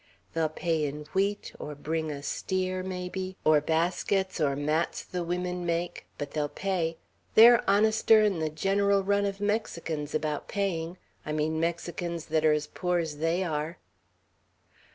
They'll pay in wheat, or bring a steer, maybe, or baskets or mats the women make; but they'll pay. They're honester 'n the general run of Mexicans about paying; I mean Mexicans that are as poor's they are."